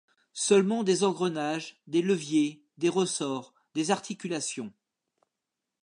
Seulement des engrenages, des leviers, des ressorts, des articulations.